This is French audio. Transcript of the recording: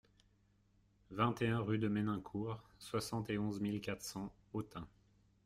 vingt et un rue de Ménincourt, soixante et onze mille quatre cents Autun